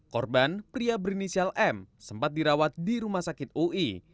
korban pria berinisial m sempat dirawat di rumah sakit ui